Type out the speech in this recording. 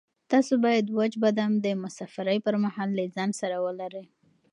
تاسو باید وچ بادام د مسافرۍ پر مهال له ځان سره ولرئ.